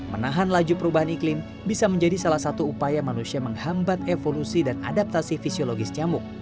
menahan laju perubahan iklim bisa menjadi salah satu upaya manusia menghambat evolusi dan adaptasi fisiologis nyamuk